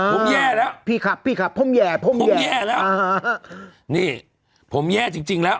ผมแย่แล้วพี่ขับพี่ขับผมแย่ผมผมแย่แล้วนี่ผมแย่จริงจริงแล้ว